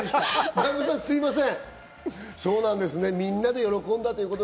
南部さん、すいません。